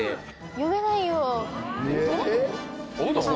読めないよ。